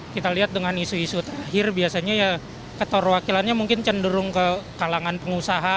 kita lihat dengan isu isu terakhir biasanya ya keterwakilannya mungkin cenderung ke kalangan pengusaha